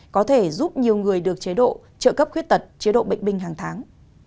có thể giúp nhiều người được chế độ trợ cấp khuyết tật chế độ bệnh binh hàng tháng